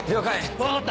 分かった！